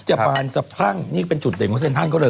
บานสะพรั่งนี่เป็นจุดเด่นของเซ็นทันเขาเลย